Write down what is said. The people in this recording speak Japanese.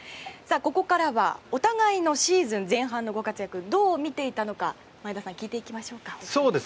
ここからはお互いのシーズン前半のご活躍をどう見ていたのか前田さん聞いていきましょうか。